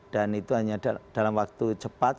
dan itu hanya dalam waktu cepat